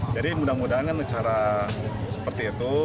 jadi mudah mudahan kan secara seperti itu